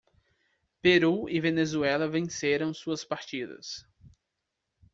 Peru e Venezuela venceram suas partidas.